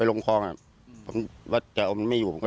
ตั้งนั้นคือเราสู้แรงมันไม่ไหวค่ะ